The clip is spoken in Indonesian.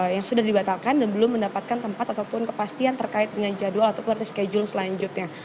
yang sudah dibatalkan dan belum mendapatkan tempat ataupun kepastian terkait dengan jadwal ataupun reschedule selanjutnya